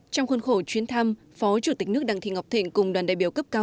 trong khuôn khổ chuyến thăm phó chủ tịch nước đặng thị ngọc thịnh cùng đoàn đại biểu cấp cao